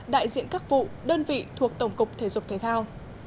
đại diện các vụ đơn vị thuộc tổng cục thể dục thể thao